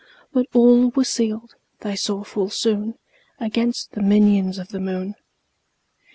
But all were sealed, they saw full soon, Against the minions of the moon.